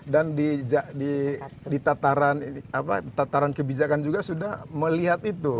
dan di tataran kebijakan juga sudah melihat itu